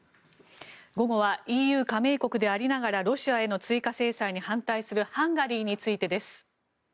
午後はＥＵ加盟国でありながらロシアへの追加制裁に反対するハンガリーについてです。